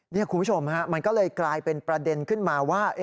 นี่คุณผู้ชมฮะมันก็เลยกลายเป็นประเด็นขึ้นมาว่า